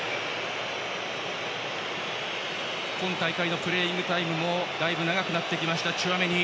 今大会のプレータイムもだいぶ長くなってきたチュアメニ。